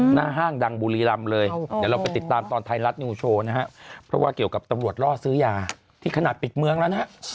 ห้างดังบุรีรำเลยเดี๋ยวเราไปติดตามตอนไทยรัฐนิวโชว์นะฮะเพราะว่าเกี่ยวกับตำรวจล่อซื้อยาที่ขนาดปิดเมืองแล้วนะฮะ